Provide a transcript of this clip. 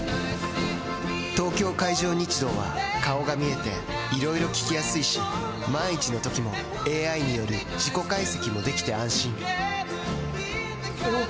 東京海上日動は顔が見えていろいろ聞きやすいし万一のときもＡＩによる事故解析もできて安心おぉ！